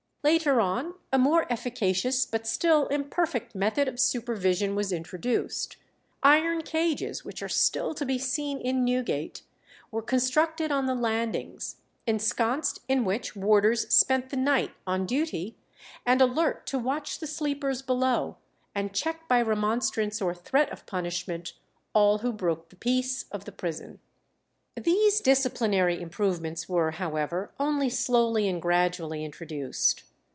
Later on a more efficacious but still imperfect method of supervision was introduced. Iron cages, which are still to be seen in Newgate, were constructed on the landings, ensconced in which warders spent the night, on duty, and alert to watch the sleepers below, and check by remonstrance or threat of punishment all who broke the peace of the prison. These disciplinary improvements were, however, only slowly and gradually introduced.